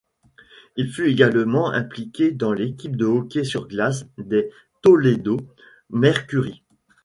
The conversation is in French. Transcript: Il fut également impliqué dans l'équipe de hockey sur glace des Toledo Mercury.